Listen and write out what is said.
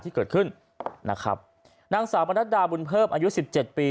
ที่เกิดขึ้นนะครับนางสาวบรรดาบุญเพิ่มอายุ๑๗ปี